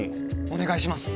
お願いします